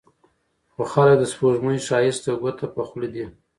خو خلک د سپوږمۍ ښايست ته ګوته په خوله دي